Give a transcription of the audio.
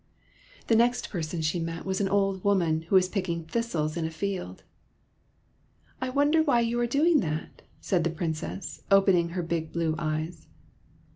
The next person she met was an old woman, who was picking thistles in a field. '' I wonder why you are doing that !" said the Princess, opening her big blue eyes.